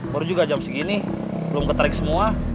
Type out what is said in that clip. baru juga jam segini belum ke track semua